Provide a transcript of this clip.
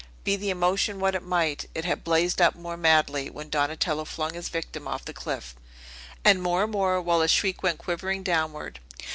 Be the emotion what it might, it had blazed up more madly, when Donatello flung his victim off the cliff, and more and more, while his shriek went quivering downward.